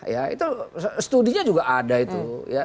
ya itu studinya juga ada itu